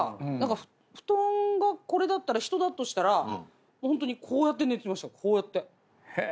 布団がこれだったら人だとしたらホントにこうやって寝てました。